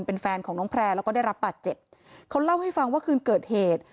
เป็นแฟนของน้องแพร่แล้วก็ได้รับบาดเจ็บเขาเล่าให้ฟังว่าคืนเกิดเหตุ